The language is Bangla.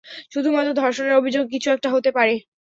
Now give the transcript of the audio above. শুধুমাত্র ধর্ষণের অভিযোগে কিছু একটা হতে পারে।